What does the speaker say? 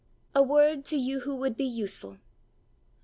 A Word to You who would be Useful.